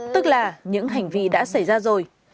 tức là những hành vi đã xảy ra rồi